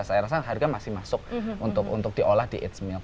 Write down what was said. saya rasa harga masih masuk untuk diolah di h milk